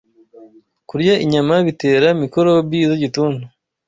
Kurya inyama bitera mikorobi z’igituntu